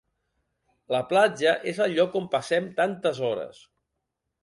La platja és el lloc on passem tantes hores.